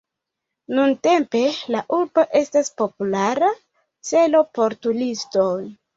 Nuntempe, la urbo estas populara celo por turistoj.